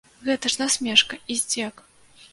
Гэта ж насмешка і здзек.